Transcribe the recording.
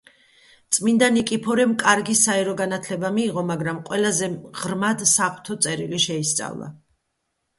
წმიდა ნიკიფორემ კარგი საერო განათლება მიიღო, მაგრამ ყველაზე ღრმად საღვთო წერილი შეისწავლა.